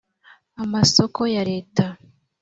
amasoko ya leta